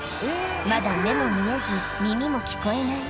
まだ目も見えず、耳も聞こえない。